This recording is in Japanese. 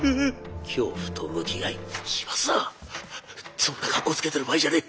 そんなかっこつけてる場合じゃねえ！